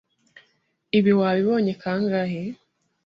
Ibi wabibonye kangahe?